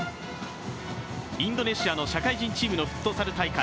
インドネシアの社会人チームのフットサル大会。